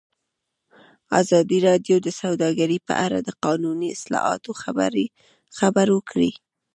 ازادي راډیو د سوداګري په اړه د قانوني اصلاحاتو خبر ورکړی.